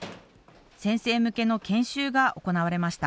先生向けの研修が行われました。